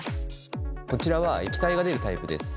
こちらは液体が出るタイプです。